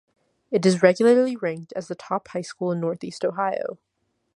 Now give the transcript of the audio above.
It is regularly ranked as the top high school in Northeast Ohio.